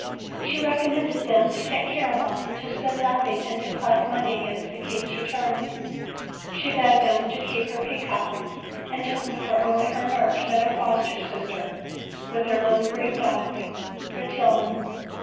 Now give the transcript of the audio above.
She recommended them to take care of all, to spend nothing, and to collect money against the king's return; she begged them to keep her peacock, and took with her only her nurse and her foster sister with her little green dog, Fretillon.